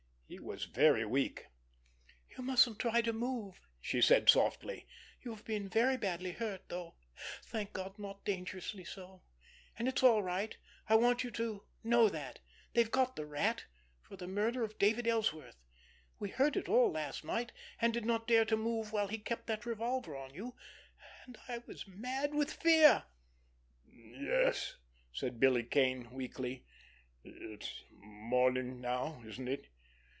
He was very weak. "You mustn't try to move," she said softly. "You have been very badly hurt, though, thank God, not dangerously so. And it's all right—I know you want to know that. They've got the Rat—for the murder of David Ellsworth. We heard it all last night, and did not dare to move while he kept that revolver on you, and I was mad with fear." "Yes," said Billy Kane weakly. "It's morning now, isn't it?"